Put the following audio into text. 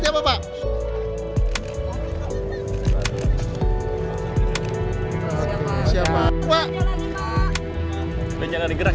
sama ya pak ya ini pak jalan buruk